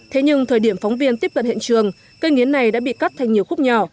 thế nhưng thời điểm phóng viên tiếp cận hiện trường cây nghiến này đã bị cắt thành nhiều khúc nhỏ